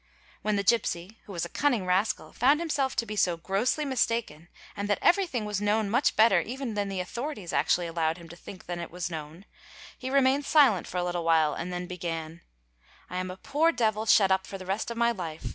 When the gipsy, who was a cunning rascal, found himself to be so grossly mistaken and that everything was known much better even than the authorities actually allowed him to think that it was known, he remained silent for a little while and then began :—'' I am a poor devil shut up for the rest of my life.